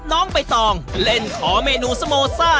น้องใบตองเล่นขอเมนูสโมซ่า